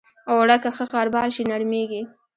اوړه که ښه غربال شي، نرمېږي